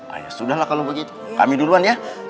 ah ya sudah lah kalau begitu kami duluan ya